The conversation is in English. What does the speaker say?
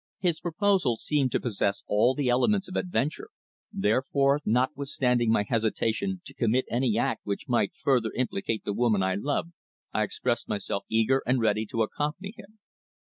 His proposal seemed to possess all the elements of adventure, therefore, notwithstanding my hesitation to commit any act which might further implicate the woman I loved, I expressed myself eager and ready to accompany him.